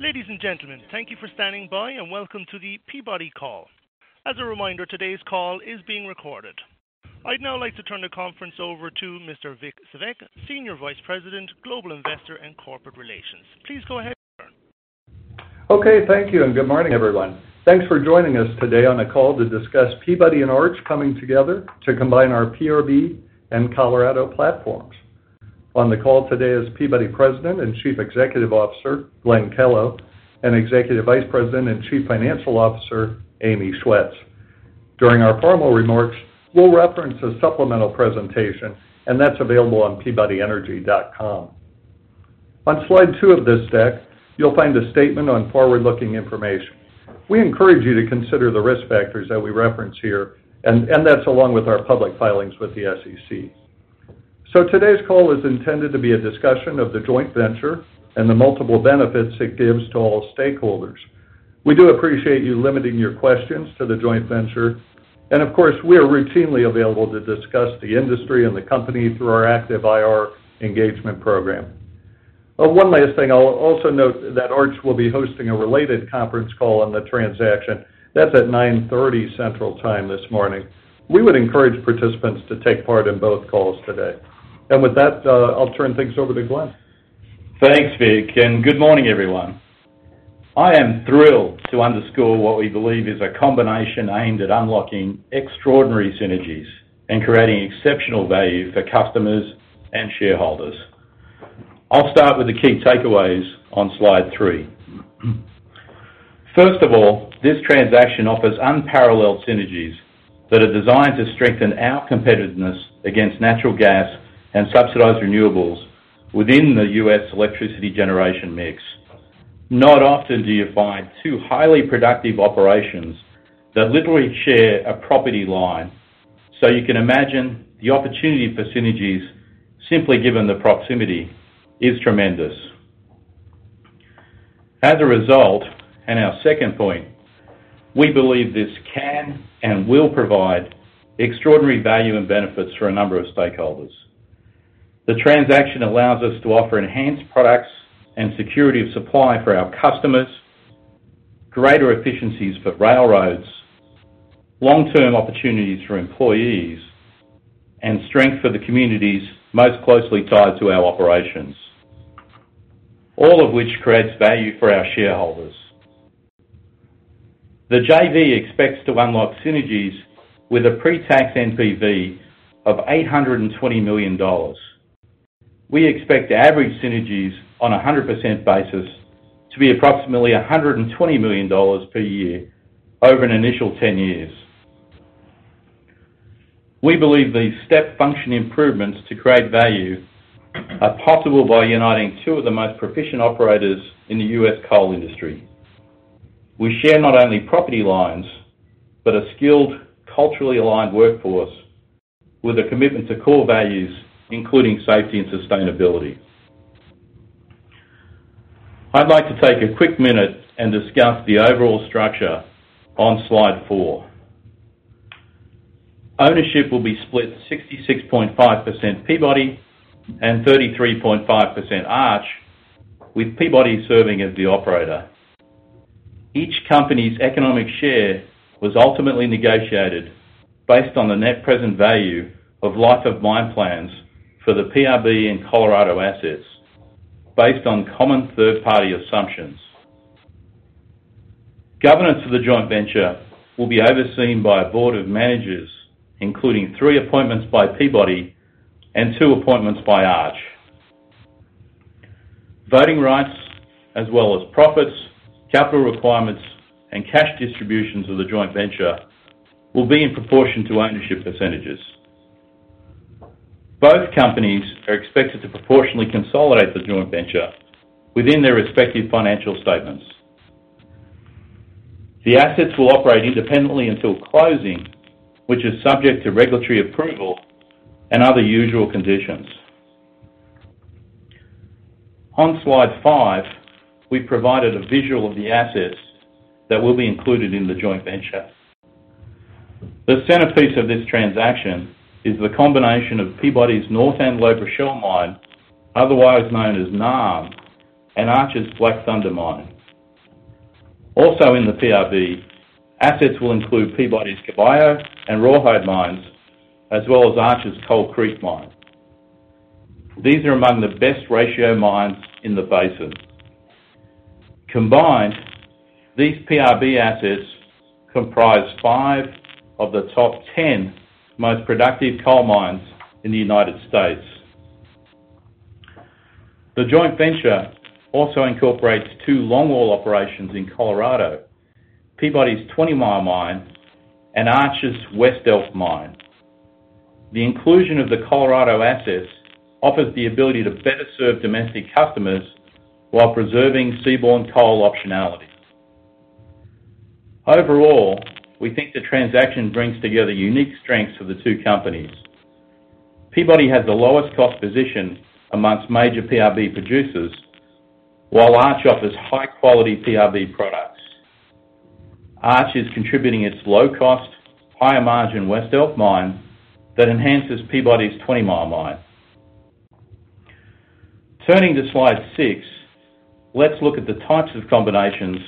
Ladies and gentlemen, thank you for standing by, and welcome to the Peabody call. As a reminder, today's call is being recorded. I'd now like to turn the conference over to Mr. Vic Svec, Senior Vice President, Global Investor and Corporate Relations. Please go ahead, sir. Thank you. Good morning, everyone. Thanks for joining us today on a call to discuss Peabody and Arch coming together to combine our PRB and Colorado platforms. On the call today is Peabody President and Chief Executive Officer, Glenn Kellow, and Executive Vice President and Chief Financial Officer, Amy Schwetz. During our formal remarks, we'll reference a supplemental presentation, and that's available on peabodyenergy.com. On slide two of this deck, you'll find a statement on forward-looking information. We encourage you to consider the risk factors that we reference here, and that's along with our public filings with the SEC. Today's call is intended to be a discussion of the joint venture and the multiple benefits it gives to all stakeholders. We do appreciate you limiting your questions to the joint venture, and of course, we are routinely available to discuss the industry and the company through our active IR engagement program. One last thing. I'll also note that Arch will be hosting a related conference call on the transaction. That's at 9:30 Central Time this morning. We would encourage participants to take part in both calls today. With that, I'll turn things over to Glenn. Thanks, Vic. Good morning, everyone. I am thrilled to underscore what we believe is a combination aimed at unlocking extraordinary synergies and creating exceptional value for customers and shareholders. I'll start with the key takeaways on slide three. First of all, this transaction offers unparalleled synergies that are designed to strengthen our competitiveness against natural gas and subsidized renewables within the U.S. electricity generation mix. Not often do you find two highly productive operations that literally share a property line. You can imagine the opportunity for synergies simply given the proximity is tremendous. As a result, our second point, we believe this can and will provide extraordinary value and benefits for a number of stakeholders. The transaction allows us to offer enhanced products and security of supply for our customers, greater efficiencies for railroads, long-term opportunities for employees, and strength for the communities most closely tied to our operations. All of which creates value for our shareholders. The JV expects to unlock synergies with a pre-tax NPV of $820 million. We expect average synergies on a 100% basis to be approximately $120 million per year over an initial 10 years. We believe these step function improvements to create value are possible by uniting two of the most proficient operators in the U.S. coal industry. We share not only property lines, but a skilled, culturally aligned workforce with a commitment to core values, including safety and sustainability. I'd like to take a quick minute and discuss the overall structure on slide four. Ownership will be split 66.5% Peabody, and 33.5% Arch, with Peabody serving as the operator. Each company's economic share was ultimately negotiated based on the net present value of life of mine plans for the PRB and Colorado assets based on common third-party assumptions. Governance of the joint venture will be overseen by a board of managers, including three appointments by Peabody and two appointments by Arch. Voting rights as well as profits, capital requirements, and cash distributions of the joint venture will be in proportion to ownership percentages. Both companies are expected to proportionally consolidate the joint venture within their respective financial statements. The assets will operate independently until closing, which is subject to regulatory approval and other usual conditions. On slide five, we provided a visual of the assets that will be included in the joint venture. The centerpiece of this transaction is the combination of Peabody's North Antelope Rochelle Mine, otherwise known as NARM, and Arch's Black Thunder Mine. Also in the PRB, assets will include Peabody's Caballo and Rawhide mines, as well as Arch's Coal Creek Mine. These are among the best ratio mines in the basin. Combined, these PRB assets comprise five of the top 10 most productive coal mines in the United States. The joint venture also incorporates two longwall operations in Colorado, Peabody's Twenty Mile Mine and Arch's West Elk Mine. The inclusion of the Colorado assets offers the ability to better serve domestic customers while preserving seaborne coal optionality. Overall, we think the transaction brings together unique strengths of the two companies. Peabody has the lowest cost position amongst major PRB producers, while Arch offers high-quality PRB product. Arch is contributing its low-cost, higher margin West Elk Mine that enhances Peabody's Twenty Mile Mine. Turning to slide six, let's look at the types of combinations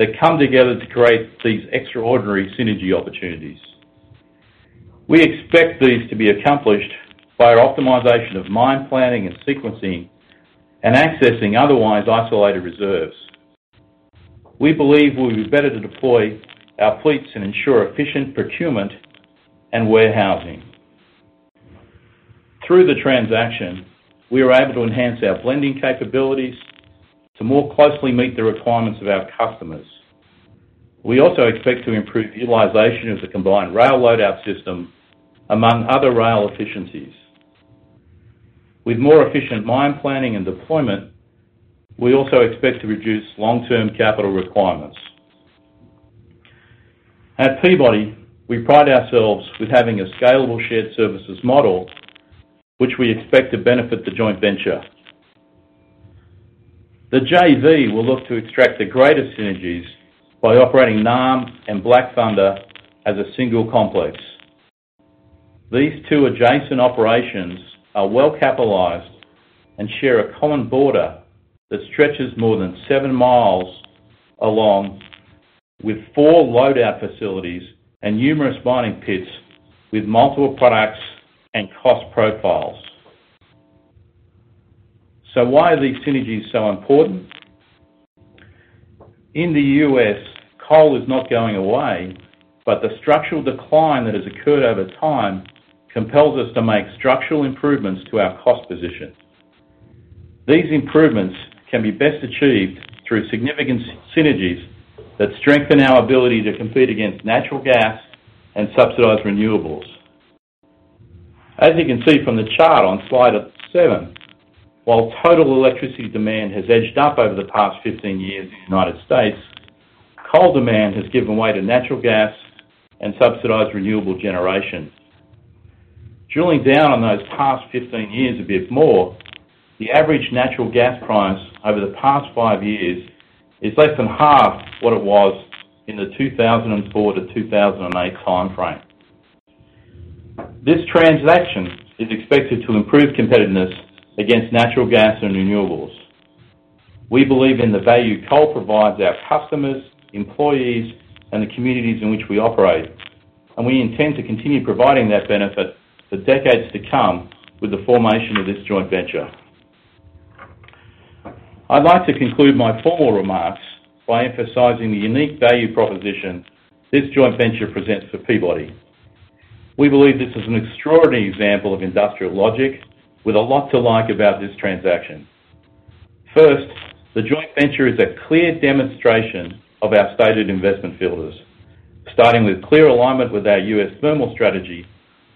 that come together to create these extraordinary synergy opportunities. We expect these to be accomplished by our optimization of mine planning and sequencing and accessing otherwise isolated reserves. We believe we'll be better to deploy our fleets and ensure efficient procurement and warehousing. Through the transaction, we are able to enhance our blending capabilities to more closely meet the requirements of our customers. We also expect to improve utilization of the combined rail load-out system, among other rail efficiencies. With more efficient mine planning and deployment, we also expect to reduce long-term capital requirements. At Peabody, we pride ourselves with having a scalable shared services model, which we expect to benefit the joint venture. The JV will look to extract the greatest synergies by operating NARM and Black Thunder as a single complex. These two adjacent operations are well-capitalized and share a common border that stretches more than 7 miles along with four load-out facilities and numerous mining pits with multiple products and cost profiles. Why are these synergies so important? In the U.S., coal is not going away, but the structural decline that has occurred over time compels us to make structural improvements to our cost position. These improvements can be best achieved through significant synergies that strengthen our ability to compete against natural gas and subsidized renewables. As you can see from the chart on slide seven, while total electricity demand has edged up over the past 15 years in the United States, coal demand has given way to natural gas and subsidized renewable generation. Drilling down on those past 15 years a bit more, the average natural gas price over the past five years is less than half what it was in the 2004 to 2008 timeframe. This transaction is expected to improve competitiveness against natural gas and renewables. We believe in the value coal provides our customers, employees, and the communities in which we operate, and we intend to continue providing that benefit for decades to come with the formation of this joint venture. I'd like to conclude my formal remarks by emphasizing the unique value proposition this joint venture presents for Peabody. We believe this is an extraordinary example of industrial logic with a lot to like about this transaction. First, the joint venture is a clear demonstration of our stated investment filters, starting with clear alignment with our U.S. thermal strategy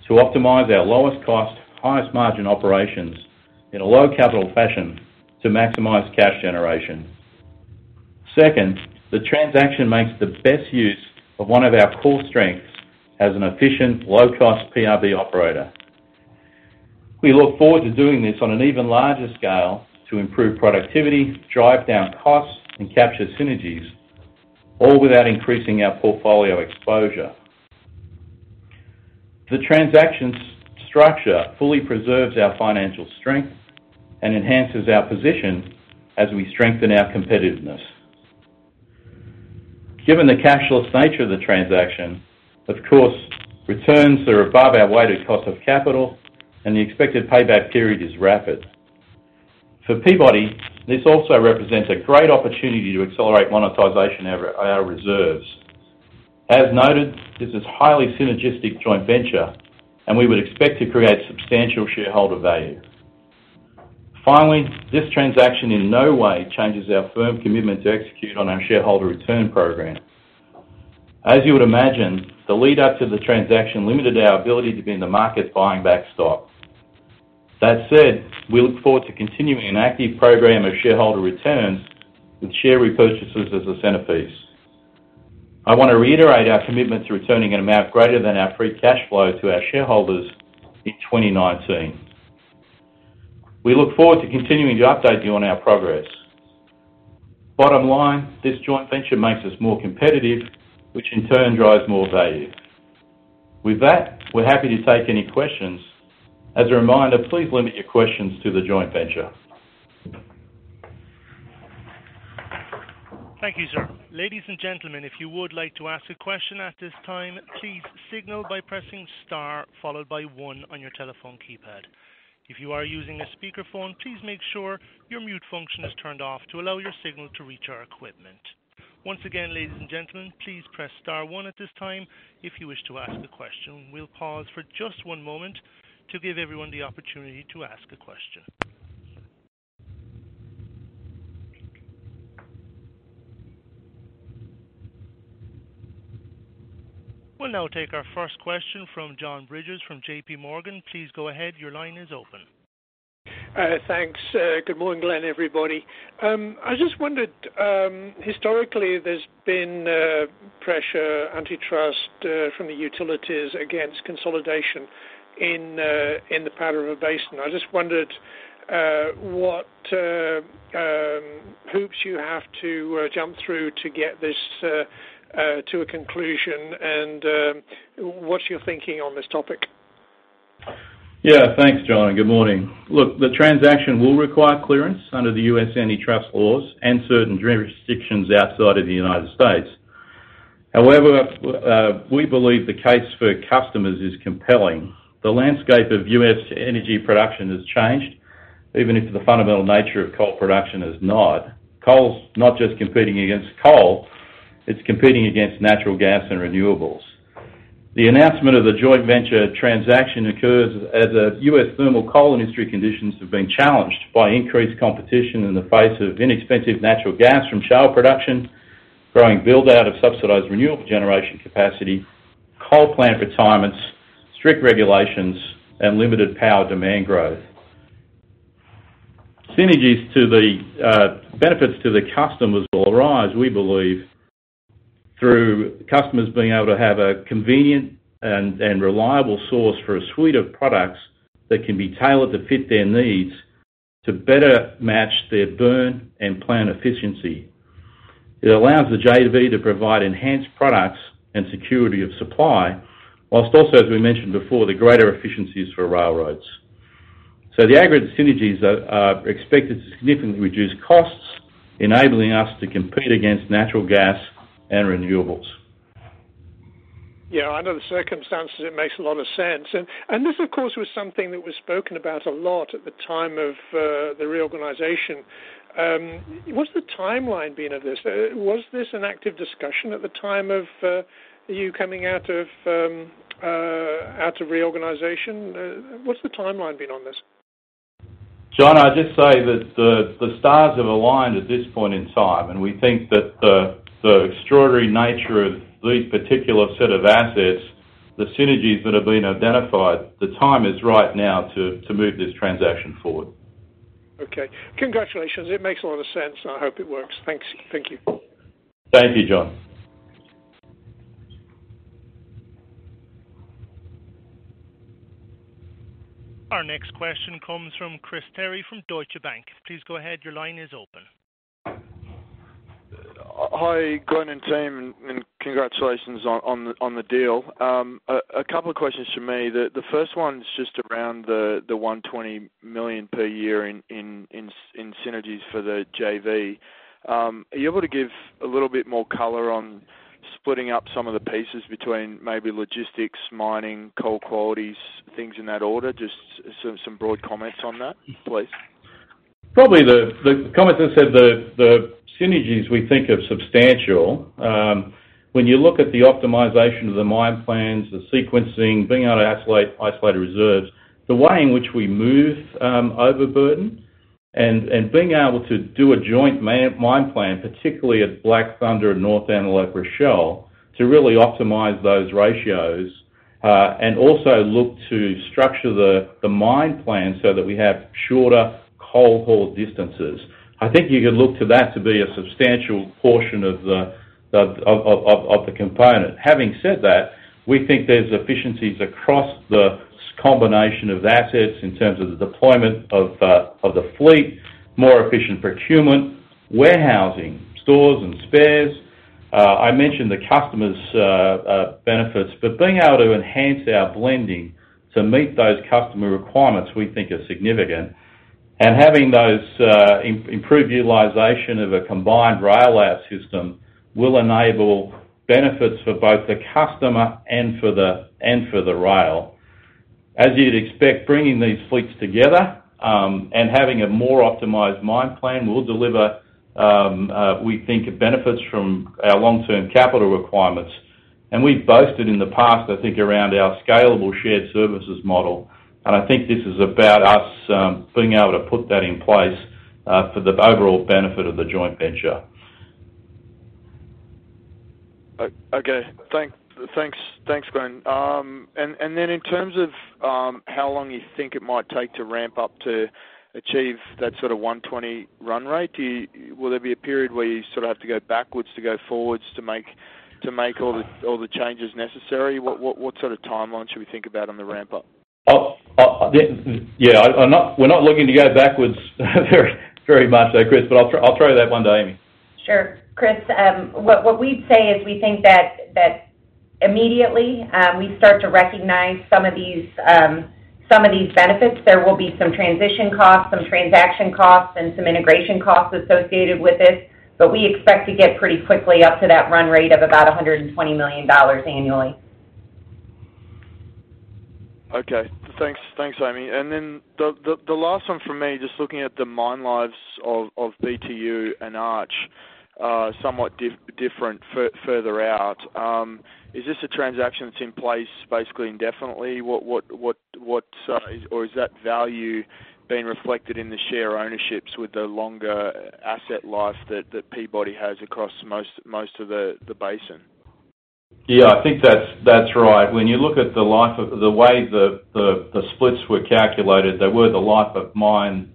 to optimize our lowest cost, highest margin operations in a low-capital fashion to maximize cash generation. Second, the transaction makes the best use of one of our core strengths as an efficient, low-cost PRB operator. We look forward to doing this on an even larger scale to improve productivity, drive down costs, and capture synergies, all without increasing our portfolio exposure. The transaction structure fully preserves our financial strength and enhances our position as we strengthen our competitiveness. Given the cashless nature of the transaction, of course, returns are above our weighted cost of capital, and the expected payback period is rapid. For Peabody, this also represents a great opportunity to accelerate monetization of our reserves. As noted, this is a highly synergistic joint venture, and we would expect to create substantial shareholder value. Finally, this transaction in no way changes our firm commitment to execute on our shareholder return program. As you would imagine, the lead-up to the transaction limited our ability to be in the market buying back stock. That said, we look forward to continuing an active program of shareholder returns with share repurchases as a centerpiece. I want to reiterate our commitment to returning an amount greater than our free cash flow to our shareholders in 2019. We look forward to continuing to update you on our progress. Bottom line, this joint venture makes us more competitive, which in turn drives more value. With that, we're happy to take any questions. As a reminder, please limit your questions to the joint venture. Thank you, sir. Ladies and gentlemen, if you would like to ask a question at this time, please signal by pressing star followed by one on your telephone keypad. If you are using a speakerphone, please make sure your mute function is turned off to allow your signal to reach our equipment. Once again, ladies and gentlemen, please press star one at this time if you wish to ask a question. We'll pause for just one moment to give everyone the opportunity to ask a question. We'll now take our first question from John Bridges from J.P. Morgan. Please go ahead. Your line is open. Thanks. Good morning, Glenn, everybody. I just wondered, historically there's been pressure, antitrust from the utilities against consolidation in the Powder River Basin. I just wondered what hoops you have to jump through to get this to a conclusion and what's your thinking on this topic? Yeah. Thanks, John. Good morning. Look, the transaction will require clearance under the U.S. antitrust laws and certain jurisdictions outside of the United States. However, we believe the case for customers is compelling. The landscape of U.S. energy production has changed, even if the fundamental nature of coal production has not. Coal is not just competing against coal, it's competing against natural gas and renewables. The announcement of the joint venture transaction occurs as the U.S. thermal coal industry conditions have been challenged by increased competition in the face of inexpensive natural gas from shale production, growing build-out of subsidized renewable generation capacity, coal plant retirements, strict regulations, and limited power demand growth. Synergies to the benefits to the customers will arise, we believe, through customers being able to have a convenient and reliable source for a suite of products that can be tailored to fit their needs to better match their burn and plant efficiency. It allows the JV to provide enhanced products and security of supply, whilst also, as we mentioned before, the greater efficiencies for railroads. The aggregate synergies are expected to significantly reduce costs, enabling us to compete against natural gas and renewables. Yeah, under the circumstances, it makes a lot of sense. This, of course, was something that was spoken about a lot at the time of the reorganization. What's the timeline been of this? Was this an active discussion at the time of you coming out of reorganization? What's the timeline been on this? John, I'd just say that the stars have aligned at this point in time, and we think that the extraordinary nature of these particular set of assets, the synergies that have been identified, the time is right now to move this transaction forward. Okay. Congratulations. It makes a lot of sense, and I hope it works. Thanks. Thank you. Thank you, John. Our next question comes from Chris Terry from Deutsche Bank. Please go ahead. Your line is open. Hi, Glenn and team. Congratulations on the deal. A couple of questions from me. The first one is just around the $120 million per year in synergies for the JV. Are you able to give a little bit more color on splitting up some of the pieces between maybe logistics, mining, coal qualities, things in that order? Just some broad comments on that, please. Probably the comment that said the synergies we think are substantial. When you look at the optimization of the mine plans, the sequencing, being able to isolate reserves, the way in which we move overburden, and being able to do a joint mine plan, particularly at Black Thunder and North Antelope Rochelle, to really optimize those ratios. Also look to structure the mine plan so that we have shorter coal haul distances. I think you could look to that to be a substantial portion of the component. Having said that, we think there's efficiencies across the combination of assets in terms of the deployment of the fleet, more efficient procurement, warehousing, stores and spares. I mentioned the customers' benefits, but being able to enhance our blending to meet those customer requirements we think is significant. Having those improved utilization of a combined rail load-out system will enable benefits for both the customer and for the rail. Bringing these fleets together, and having a more optimized mine plan will deliver, we think, benefits from our long-term capital requirements. We've boasted in the past, I think, around our scalable shared services model. I think this is about us being able to put that in place for the overall benefit of the joint venture. Okay. Thanks, Glenn. Then in terms of how long you think it might take to ramp up to achieve that sort of 120 run rate. Will there be a period where you sort of have to go backwards to go forwards to make all the changes necessary? What sort of timeline should we think about on the ramp-up? Yeah. We're not looking to go backwards very much there, Chris, but I'll throw that one to Amy. Sure. Chris, what we'd say is we think that immediately we start to recognize some of these benefits. There will be some transition costs, some transaction costs, and some integration costs associated with this. We expect to get pretty quickly up to that run rate of about $120 million annually. Thanks, Amy. The last one from me, just looking at the mine lives of BTU and Arch are somewhat different further out. Is this a transaction that's in place basically indefinitely? Or is that value being reflected in the share ownerships with the longer asset life that Peabody has across most of the basin? Yeah, I think that's right. When you look at the life of the way the splits were calculated, they were the life of mine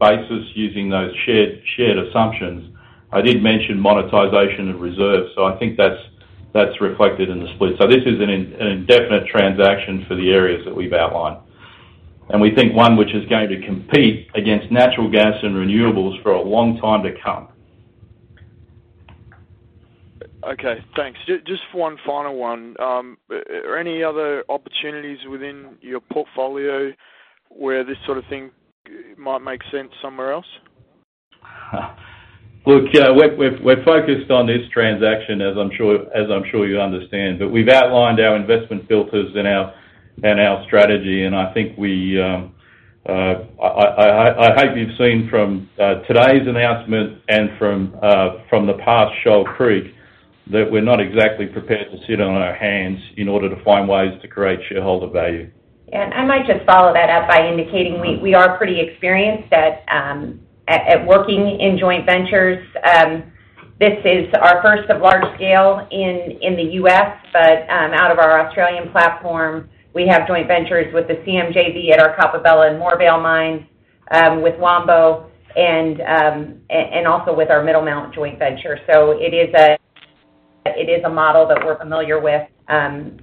basis using those shared assumptions. I did mention monetization of reserves. I think that's reflected in the split. This is an indefinite transaction for the areas that we've outlined. We think one which is going to compete against natural gas and renewables for a long time to come. Okay, thanks. Just one final one. Are any other opportunities within your portfolio where this sort of thing might make sense somewhere else? Look, we're focused on this transaction, as I'm sure you understand. We've outlined our investment filters and our strategy, I hope you've seen from today's announcement and from the past Shoal Creek, that we're not exactly prepared to sit on our hands in order to find ways to create shareholder value. Yeah, I might just follow that up by indicating we are pretty experienced at working in joint ventures. This is our first of large scale in the U.S., but out of our Australian platform, we have joint ventures with the CM JV at our Coppabella and Moorvale Mine, with Wambo, and also with our Middlemount joint venture. It is a model that we're familiar with and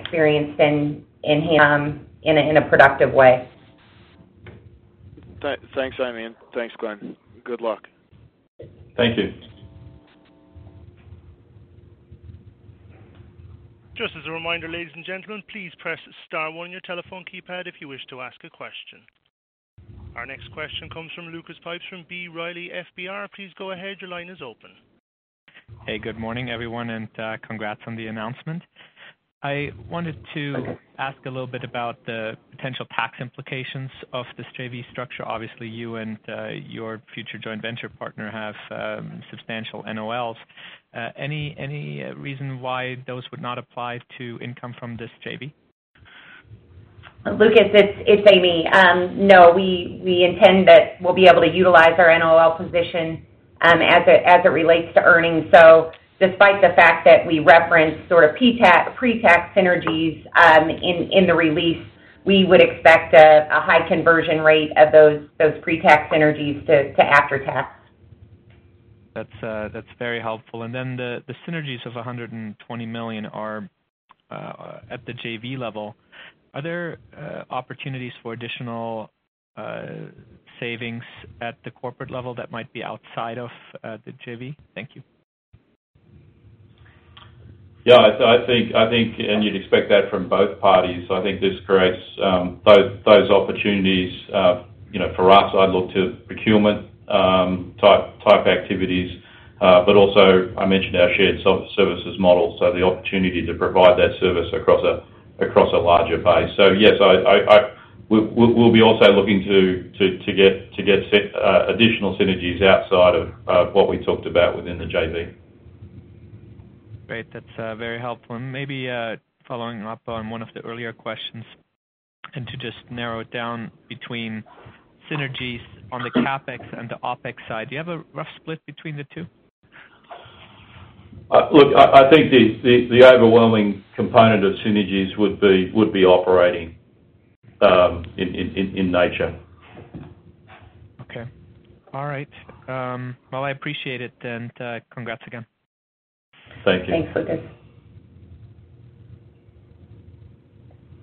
experienced in a productive way. Thanks, Amy, and thanks, Glenn. Good luck. Thank you. Just as a reminder, ladies and gentlemen, please press star one on your telephone keypad if you wish to ask a question. Our next question comes from Lucas Pipes from B. Riley FBR. Please go ahead. Your line is open. Hey, good morning, everyone, and congrats on the announcement. Thank you. ask a little bit about the potential tax implications of this JV structure. Obviously, you and your future joint venture partner have substantial NOLs. Any reason why those would not apply to income from this JV? Lucas, it's Amy. No, we intend that we'll be able to utilize our NOL position, as it relates to earnings. Despite the fact that we referenced sort of pre-tax synergies in the release, we would expect a high conversion rate of those pre-tax synergies to after-tax. That's very helpful. The synergies of $120 million are at the JV level. Are there opportunities for additional savings at the corporate level that might be outside of the JV? Thank you. You'd expect that from both parties. I think this creates those opportunities. For us, I'd look to procurement-type activities. Also, I mentioned our shared services model, the opportunity to provide that service across a larger base. Yes, we'll be also looking to get additional synergies outside of what we talked about within the JV. Great. That's very helpful. Maybe following up on one of the earlier questions, to just narrow it down between synergies on the CapEx and the OpEx side. Do you have a rough split between the two? I think the overwhelming component of synergies would be operating in nature. Okay. All right. Well, I appreciate it, and congrats again. Thank you. Thanks, Lucas.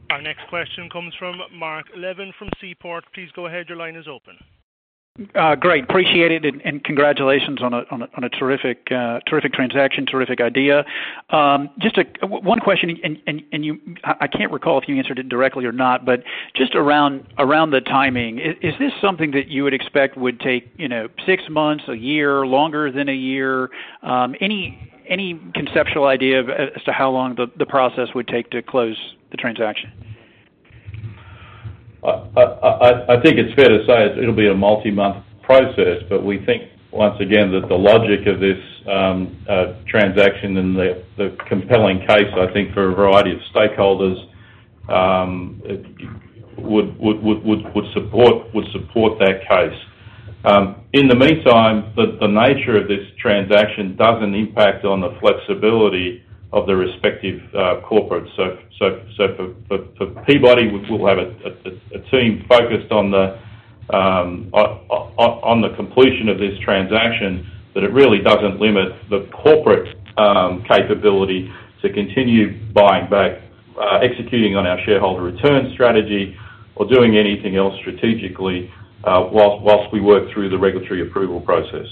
Our next question comes from Mark Levin from Seaport. Please go ahead. Your line is open. Great. Appreciate it, and congratulations on a terrific transaction. Terrific idea. Just one question, and I can't recall if you answered it directly or not, but just around the timing. Is this something that you would expect would take six months, a year, longer than a year? Any conceptual idea as to how long the process would take to close the transaction? I think it's fair to say it'll be a multi-month process, but we think, once again, that the logic of this transaction and the compelling case, I think, for a variety of stakeholders, would support that case. In the meantime, the nature of this transaction doesn't impact on the flexibility of the respective corporate. For Peabody, we'll have a team focused on the completion of this transaction, but it really doesn't limit the corporate capability to continue buying back, executing on our shareholder return strategy, or doing anything else strategically whilst we work through the regulatory approval process.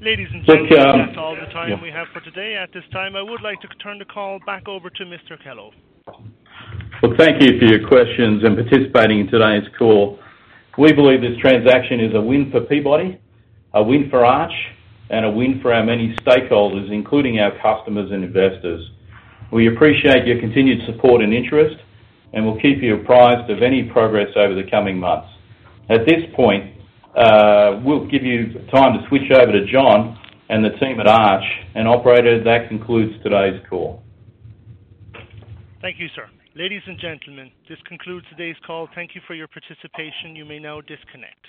Ladies and gentlemen. Look- That's all the time we have for today. At this time, I would like to turn the call back over to Mr. Kellow. Well, thank you for your questions and participating in today's call. We believe this transaction is a win for Peabody, a win for Arch, and a win for our many stakeholders, including our customers and investors. We appreciate your continued support and interest, and we'll keep you apprised of any progress over the coming months. At this point, we'll give you time to switch over to John and the team at Arch, operator, that concludes today's call. Thank you, sir. Ladies and gentlemen, this concludes today's call. Thank you for your participation. You may now disconnect.